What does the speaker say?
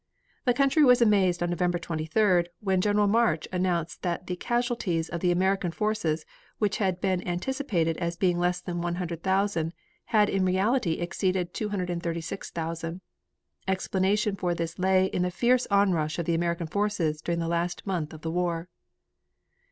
The country was amazed on November 23d when General March announced that the casualties of the American forces which had been anticipated as being less than 100,000, had in reality exceeded 236,000. Explanation for this lay in the fierce on rush of the American forces during the last month of the war.